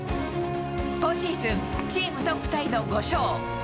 今シーズン、チームトップタイの５勝。